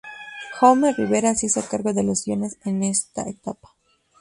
Jaume Ribera se hizo cargo de los guiones en esta etapa.